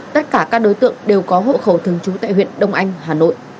tất cả các đối tượng đều có hộ khẩu thường trú tại huyện đông anh hà nội